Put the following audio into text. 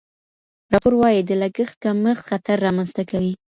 راپور وايي د لګښت کمښت خطر رامنځته کوي.